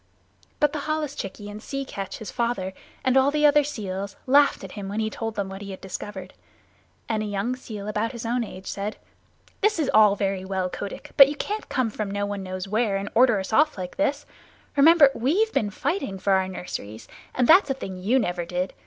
But the holluschickie and Sea Catch, his father, and all the other seals laughed at him when he told them what he had discovered, and a young seal about his own age said, "This is all very well, Kotick, but you can't come from no one knows where and order us off like this. Remember we've been fighting for our nurseries, and that's a thing you never did.